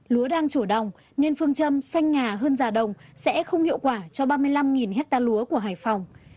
lúa đang chủ đồng nên phương châm xanh ngà hơn già đồng sẽ không hiệu quả cho ba mươi năm hectare lúa của hải phòng